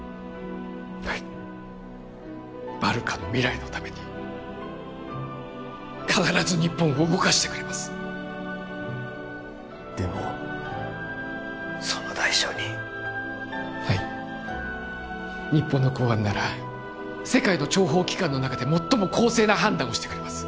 はいバルカの未来のために必ず日本を動かしてくれますでもその代償にはい日本の公安なら世界の諜報機関の中で最も公正な判断をしてくれます